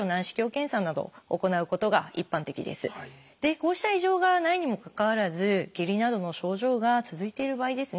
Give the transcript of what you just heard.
こうした異常がないにもかかわらず下痢などの症状が続いている場合ですね